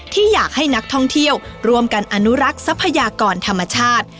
ที่อยากให้นักท่องเที่ยวร่วมกันอนุรักษ์ทรัพยากรธรรมชาติ